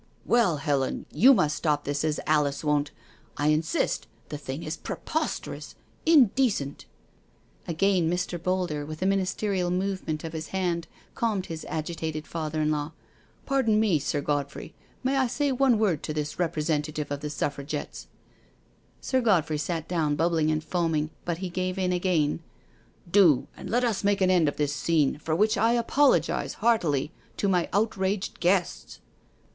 " Well; Helen, yoa must stop this, as Alice won*t. I insist— the thing is preposterous— indecent '* Again Mr. Boulder with a ministerial movement of THE DINNER PARTY 241 the hand cahned his agitated father in law: "Pardon me, Sir Godfrey, may I say one word to this repre sentative of the Suffragettes?" Sir Godfrey sat down bubbling and foaming, but he gave in again :" Do, and let us make an end of this scene, for which I apologise heartily to my outraged guests."